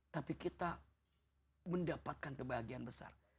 tapi kita mendapatkan kebahagiaan besar